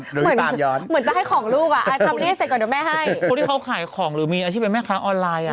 เหมือนเหมือนจะให้ของลูกอ่ะทำนี่ให้เสร็จก่อนเดี๋ยวแม่ให้คนที่เขาขายของหรือมีอาชีพเป็นแม่ค้าออนไลน์อ่ะ